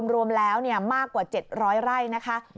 รวมแล้วมากกว่า๗๐๐ไร่นะคะ